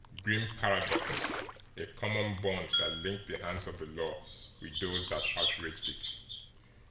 Grim paradox a common bond that linked the hands of the law with those that outraged it!